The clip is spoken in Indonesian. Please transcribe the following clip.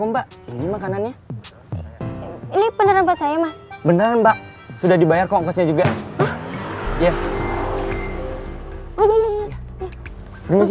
mbak ini makanannya ini beneran saya mas bener mbak sudah dibayar kok juga ya udah